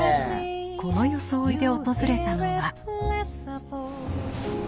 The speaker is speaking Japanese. この装いで訪れたのは。